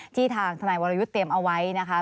ทางทนายวรยุทธ์เตรียมเอาไว้นะคะ